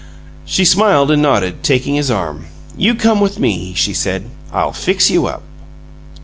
She smiled and nodded, taking his arm. "You come with me," she said. "I'LL fix you up!"